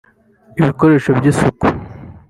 ibikoresho by’isuku